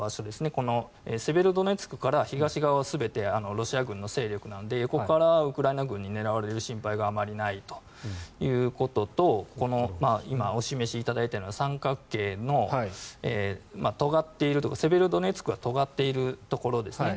このセベロドネツクから東側は全てロシアの勢力なので横からウクライナ軍に狙われる危険性があまりないということとこの今、お示しいただいたような三角形のセベロドネツクはとがっているところですね。